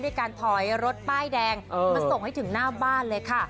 การถอยรถป้ายแดงมาส่งให้ถึงหน้าบ้านเลยค่ะ